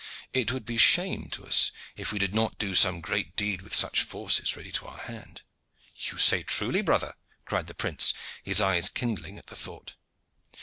It would be shame to us if we did not do some great deed with such forces ready to our hand." "You say truly, brother," cried the prince, his eyes kindling at the thought.